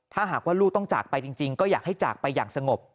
ถ้าหากว่าลูกต้องจากไปจริงก็อยากให้จากไปอย่างสงบ